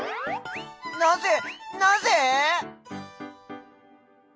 なぜなぜ！？